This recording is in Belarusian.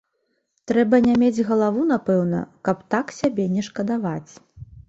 Трэба не мець галаву, напэўна, каб так сябе не шкадаваць!